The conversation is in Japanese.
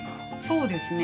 そうですね。